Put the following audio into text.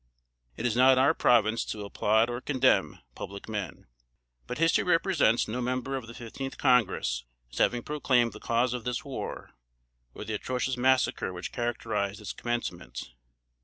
It is not our province to applaud, or condemn, public men; but history represents no member of the fifteenth Congress as having proclaimed the cause of this war, or the atrocious massacre which characterized its commencement.